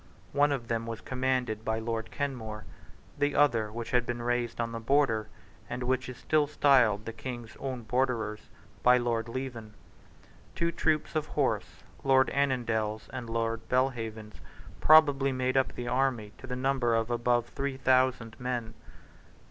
One of them was commanded by Lord Kenmore; the other, which had been raised on the Border, and which is still styled the King's own Borderers, by Lord Leven. Two troops of horse, Lord Annandale's and Lord Belhaven's, probably made up the army to the number of above three thousand men.